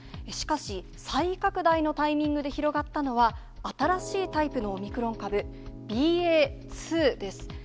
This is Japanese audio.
しかし、再拡大のタイミングで広がったのは、新しいタイプのオミクロン株ＢＡ．２です。